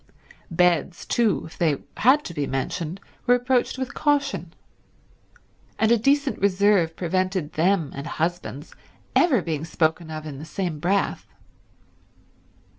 Beds too, if they had to be mentioned, were approached with caution; and a decent reserve prevented them and husbands ever being spoken of in the same breath.